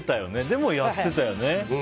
でもやってたよね。